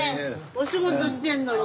お仕事してんのに。